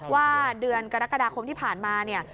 ว่าเดือนกรกฎาคมที่ผ่านมาเนี่ย